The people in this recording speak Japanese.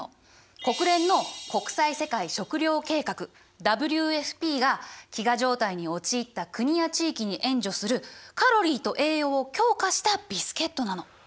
国連の国際世界食糧計画が飢餓状態に陥った国や地域に援助するカロリーと栄養を強化したビスケットなの。